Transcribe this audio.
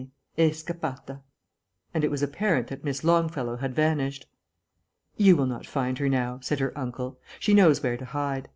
E scappata," and it was apparent that Miss Longfellow had vanished. "You will not find her now," said her uncle. "She knows where to hide.